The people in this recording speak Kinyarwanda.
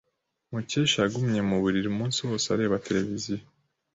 Mukesha yagumye mu buriri umunsi wose areba televiziyo.